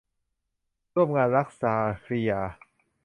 ร่วมงานรัก - ชาครียา